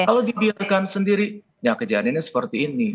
kalau dibiarkan sendiri kejadiannya seperti ini